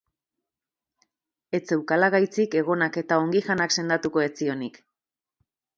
Ez zeukala gaitzik, egonak eta ongi janak sendatuko ez zionik.